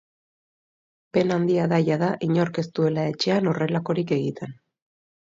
Pena handia da jada inork ez duela etxean horrelakorik egiten.